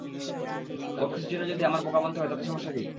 ওর খুশির জন্য যদি আমার বোকা বনতে হয়, তাতে সমস্যা কী!